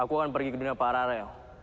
aku akan pergi ke dunia paralel